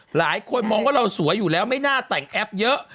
หลายคนมองว่าเราสวยอยู่แล้วไม่น่าแต่งแอปเยอะ